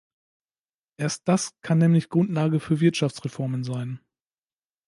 Erst das kann nämlich Grundlage für Wirtschaftsreformen sein.